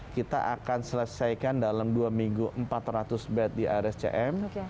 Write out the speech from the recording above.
kita akan selesaikan dalam dua minggu empat ratus bed di rscm